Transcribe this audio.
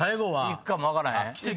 いくかもわからへん？